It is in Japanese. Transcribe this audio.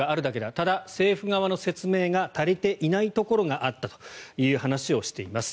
ただ、政府側の説明が足りていないところがあったという話をしています。